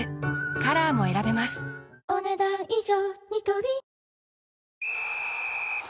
カラーも選べますお、ねだん以上。